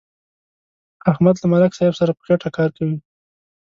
احمد له ملک صاحب سره په خېټه کار کوي.